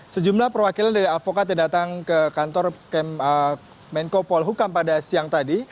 sejumlah perwakilan dari advokat yang datang ke kantor kementerian koordinator bidang politik hukum pada siang tadi